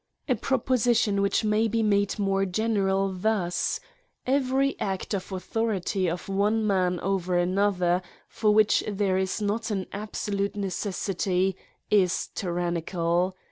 A proposition which may be made more general thus: every act of autho rity of one man over another, for which there is not an absolute necessity, is tyrannical.